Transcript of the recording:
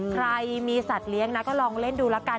ใครมีสัตว์เลี้ยงนะก็ลองเล่นดูละกัน